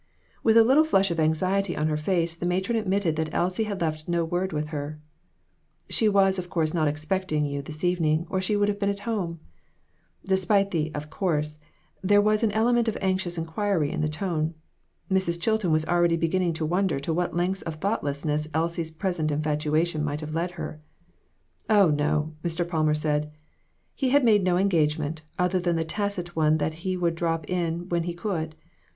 With a little flush of anxiety on her face, the matron admitted that Elsie had left no word with her. " She was, of course, not expecting you this evening, or she would have been at home." Despite the "of course," there was an element of anxious inquiry in the tone. Mrs. Chilton was already beginning to wonder to what lengths of thoughtlessness Elsie's present infatuation might have led her. "Oh, no," Mr. Palmer said. He had made no engagement, other than the tacit one that he would drop in when he could.